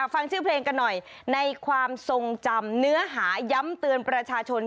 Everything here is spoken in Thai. ฟังชื่อเพลงกันหน่อยในความทรงจำเนื้อหาย้ำเตือนประชาชน